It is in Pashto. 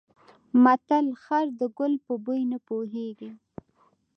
متل: خر د ګل په بوی نه پوهېږي.